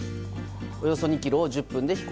およそ２ｋｍを１０分で飛行。